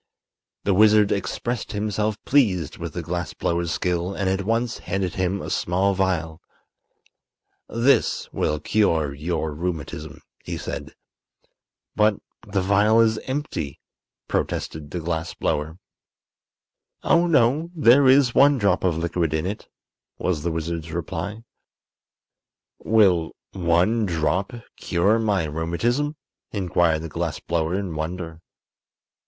The wizard expressed himself pleased with the glass blower's skill and at once handed him a small vial. "This will cure your rheumatism," he said. "But the vial is empty!" protested the glass blower. "Oh, no; there is one drop of liquid in it," was the wizard's reply. "Will one drop cure my rheumatism?" inquired the glass blower, in wonder.